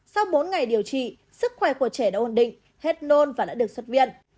sau bốn ngày điều trị sức khỏe của trẻ đã ổn định hết nôn và đã được xuất viện